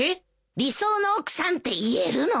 理想の奥さんって言えるの？